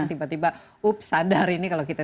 tiba tiba up sadar ini kalau kita